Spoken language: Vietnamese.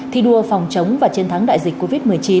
thi đua phòng chống và chiến thắng đại dịch covid một mươi chín